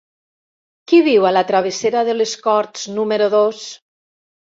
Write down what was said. Qui viu a la travessera de les Corts número dos?